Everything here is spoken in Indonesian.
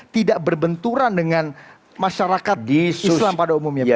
tidak berbenturan dengan masyarakat islam pada umumnya